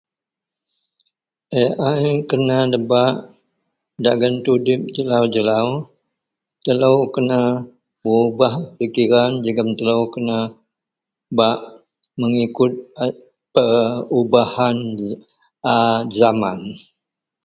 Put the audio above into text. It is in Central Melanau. AI kena nebak dagen tudip jelau-jelau, telou kena mengubah pikiran jegem telou kena bak mengikut er perubahan a jaman.